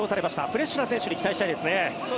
フレッシュな選手に期待したいですね。